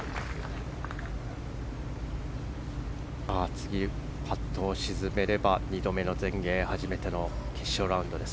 次、パットを沈めれば初めての２度目の全英の決勝ラウンドです。